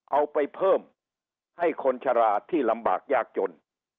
เอาไปเพิ่มให้คนชะลาที่ลำบากยากจน